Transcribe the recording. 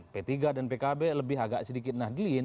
p tiga dan pkb lebih agak sedikit nahdlin